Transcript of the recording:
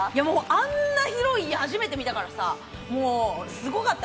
あんな広い家初めて見たからさ、すごかった！